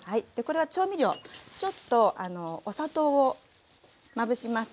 これは調味料ちょっとお砂糖をまぶします。